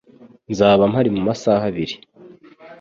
Nzaba mpari mumasaha abiri.